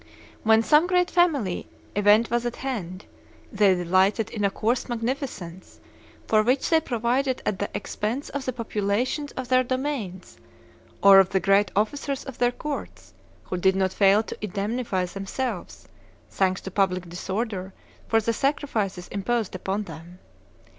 When some great family event was at hand, they delighted in a coarse magnificence, for which they provided at the expense of the populations of their domains, or of the great officers of their courts, who did not fail to indemnify themselves, thanks to public disorder, for the sacrifices imposed upon them.